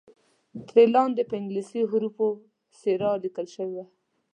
ترې لاندې په انګلیسي حروفو سیرا لیکل شوی وو.